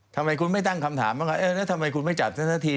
ทำไมคุณไม่ตั้งคำถามแล้วทำไมคุณไม่จัดเท่าที่